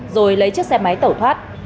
rồi lấy chiếc xe máy tẩu thoát